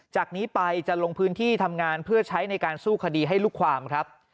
จากนี้ไปจะลงพื้นที่ทำงานเพื่อใช้ในการสู้คดีให้ลูกความครับ